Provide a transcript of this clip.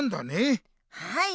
はい。